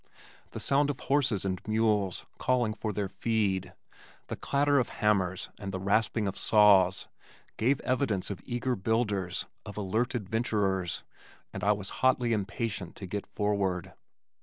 The sound of horses and mules calling for their feed, the clatter of hammers and the rasping of saws gave evidence of eager builders, of alert adventurers, and I was hotly impatient to get forward.